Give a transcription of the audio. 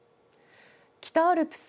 北アルプス